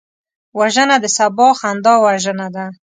وژنه د سبا خندا وژنه ده